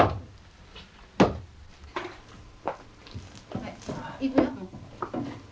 はいいくよ。